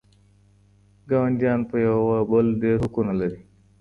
ګاونډيان په يوه بل ډېر حقونه لري.